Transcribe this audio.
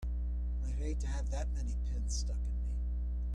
I'd hate to have that many pins stuck in me!